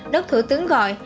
đất thủ tướng gọi